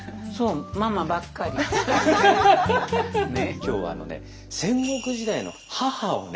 今日はあのね戦国時代の母をね